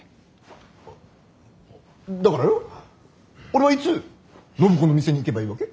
俺はいつ暢子の店に行けばいいわけ？